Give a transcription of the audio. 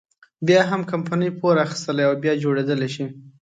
بيا هم کمپنۍ پور اخیستلی او بیا جوړېدلی شي.